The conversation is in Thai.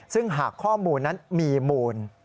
ซึ่งหากข้อมูลนั้นมีมูล